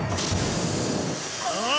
ああ。